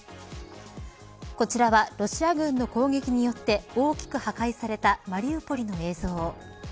こちらはロシア軍の攻撃によって大きく破壊されたマリウポリの映像。